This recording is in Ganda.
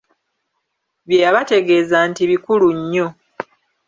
Bye yabategeeza nti bikulu nnyo.